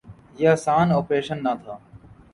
یہ آسان آپریشن نہ تھا۔